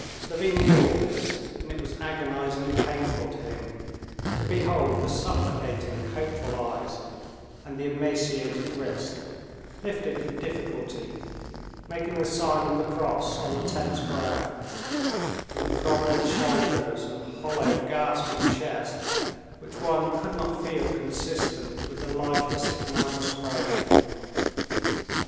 Levin knew all this; and it was agonizingly painful to him to behold the supplicating, hopeful eyes and the emaciated wrist, lifted with difficulty, making the sign of the cross on the tense brow, and the prominent shoulders and hollow, gasping chest, which one could not feel consistent with the life the sick man was praying for.